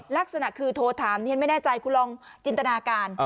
ลักษณะคือโทรถามฉันไม่แน่ใจคุณลองจินตนาการ